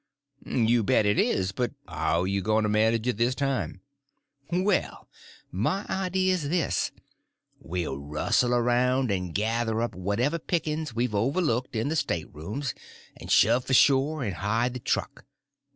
"You bet it is. But how you goin' to manage it this time?" "Well, my idea is this: we'll rustle around and gather up whatever pickins we've overlooked in the staterooms, and shove for shore and hide the truck.